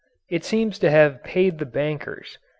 It seems to have paid the bankers.